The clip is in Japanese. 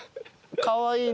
かわいいな。